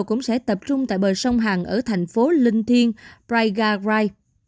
cũng sẽ tập trung tại bờ sông hàng ở thành phố linh thiên praigarai